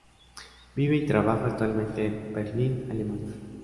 Vive y trabaja actualmente en Berlín, Alemania.